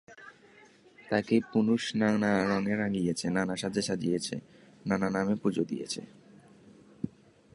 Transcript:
তাকেই পুরুষ নানা রঙে রাঙিয়েছে, নানা সাজে সাজিয়েছে, নানা নামে পুজো দিয়েছে।